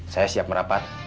saya siap merapat